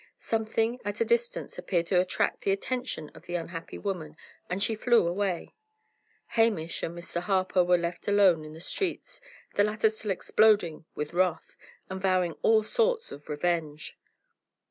Something at a distance appeared to attract the attention of the unhappy woman, and she flew away. Hamish and Mr. Harper were left alone in the streets, the latter still exploding with wrath, and vowing all sorts of revenge.